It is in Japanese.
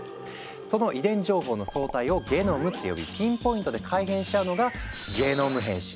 その遺伝情報の総体をゲノムって呼びピンポイントで改変しちゃうのが「ゲノム編集」。